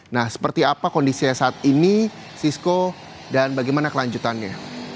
nah seperti apa kondisinya saat ini sisko dan bagaimana kelanjutannya